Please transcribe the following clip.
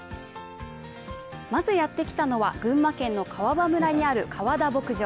まずやってきたのは、群馬県の川場村にある川田牧場。